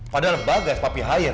padahal bagas papi hire